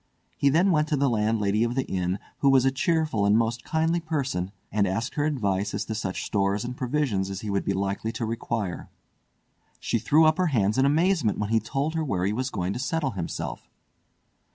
He then went to the landlady of the inn, who was a cheerful and most kindly person, and asked her advice as to such stores and provisions as he would be likely to require. She threw up her hands in amazement when he told her where he was going to settle himself.